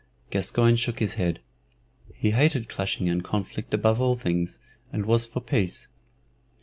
Gascoyne shook his head. He hated clashing and conflict above all things, and was for peace.